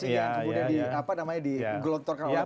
kemudian apa namanya di gelontorkan oleh petahana